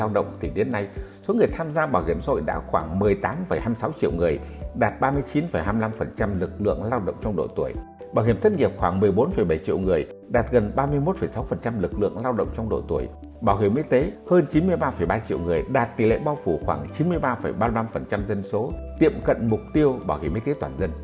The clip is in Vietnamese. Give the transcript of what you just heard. đạt tỷ lệ bao phủ khoảng chín mươi ba ba mươi năm dân số tiệm cận mục tiêu bảo hiểm y tế toàn dân